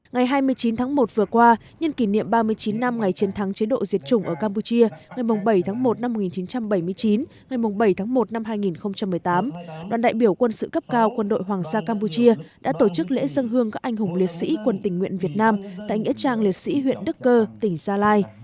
ngày hai mươi chín tháng một vừa qua nhân kỷ niệm ba mươi chín năm ngày chiến thắng chế độ diệt chủng ở campuchia ngày bảy tháng một năm một nghìn chín trăm bảy mươi chín ngày bảy tháng một năm hai nghìn một mươi tám đoàn đại biểu quân sự cấp cao quân đội hoàng gia campuchia đã tổ chức lễ dân hương các anh hùng liệt sĩ quân tỉnh nguyện việt nam tại nghĩa trang liệt sĩ huyện đức cơ tỉnh gia lai